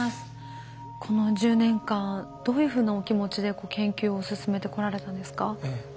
この１０年間どういうふうなお気持ちで研究を進めてこられたんですか？